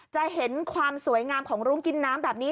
จะเห็นความสวยงามของรุ้งกินน้ำแบบนี้